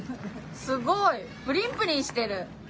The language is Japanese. すごい！ブリンブリンしてる。